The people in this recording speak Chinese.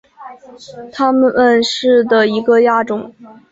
它们是的一个亚种。